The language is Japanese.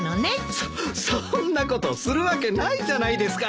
そそんなことするわけないじゃないですか。